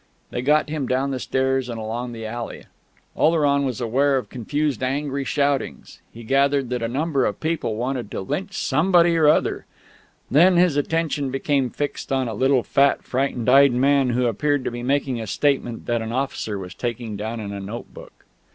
They got him down the stairs and along the alley. Oleron was aware of confused angry shoutings; he gathered that a number of people wanted to lynch somebody or other. Then his attention became fixed on a little fat frightened eyed man who appeared to be making a statement that an officer was taking down in a notebook.